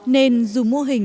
nên dù mô hình